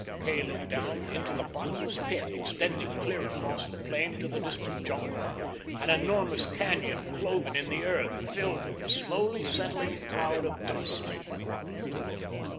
Kay looked down into the bottomless pit, extending clear across the plain to the distant jungle. An enormous canyon cloven in the earth, filled with the slowly settling cloud of dust.